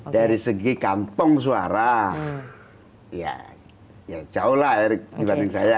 dari segi kantong suara ya jauh lah erick dibanding saya